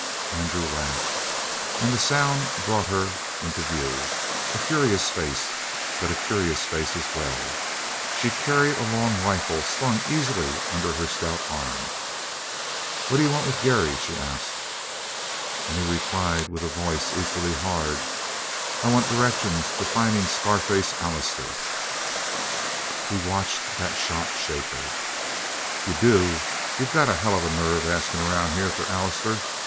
Andrew laughed, and the sound brought her into view, a furious face, but a curious face as well. She carried a long rifle slung easily under her stout arm. "What d'you want with Garry?" she asked. And he replied with a voice equally hard: "I want direction for finding Scar faced Allister." He watched that shot shake her. "You do? You got a hell of a nerve askin' around here for Allister!